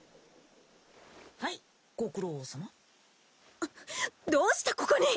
はいご苦労さまどうしてここに！？